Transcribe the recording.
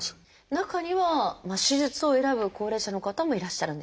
中には手術を選ぶ高齢者の方もいらっしゃるんですか？